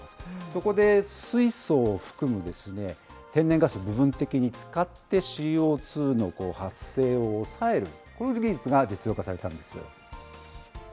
そこで、水素を含む天然ガスを部分的に使ってＣＯ２の発生を抑える、この技術が実用化されたんですよ。